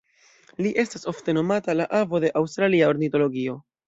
Li estas ofte nomata "la avo de aŭstralia ornitologio".